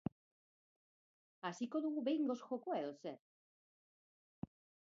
Hasiko dugu behingoz Jokoa edo zer?